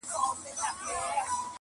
اباسین راغی غاړي غاړي!.